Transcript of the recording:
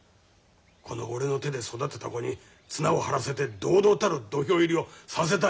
この俺の手で育てた子に綱を張らせて堂々たる土俵入りをさせたい。